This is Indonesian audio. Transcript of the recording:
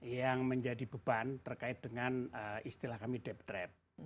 yang menjadi beban terkait dengan istilah kami debt trap